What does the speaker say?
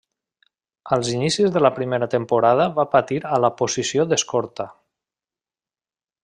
Als inicis de la primera temporada va patir a la posició d'escorta.